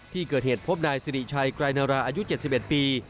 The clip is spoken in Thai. ที่เกิดเหตุพบนายสิริชัยไกรนาราอายุ๗๑ปี